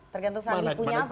tergantung sandi punya apa